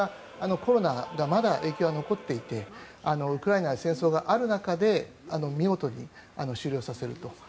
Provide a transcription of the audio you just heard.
しかもこれがコロナの影響がまだ残っていてウクライナの戦争がある中で見事に終了させると。